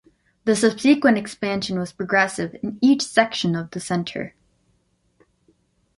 The subsequent expansion was progressive in each section of the center.